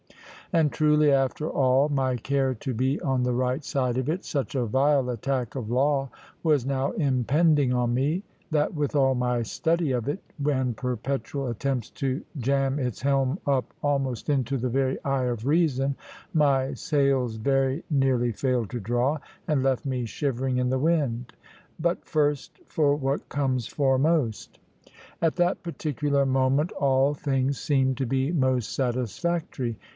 And truly, after all my care to be on the right side of it, such a vile attack of law was now impending on me, that with all my study of it, and perpetual attempts to jam its helm up almost into the very eye of reason, my sails very nearly failed to draw, and left me shivering in the wind. But first for what comes foremost. At that particular moment all things seemed to be most satisfactory.